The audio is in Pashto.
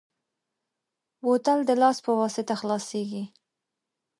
بوتل د لاس په واسطه خلاصېږي.